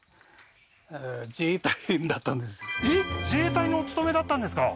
自衛隊にお勤めだったんですか？